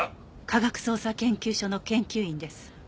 科学捜査研究所の研究員です。